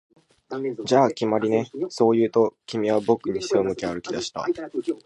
「じゃあ、決まりね」、そう言うと、君は僕に背を向け歩き出した